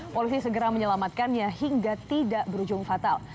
polisi segera menyelamatkannya hingga tidak berujung fatal